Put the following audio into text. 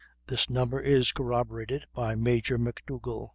This number is corroborated by Major McDougal.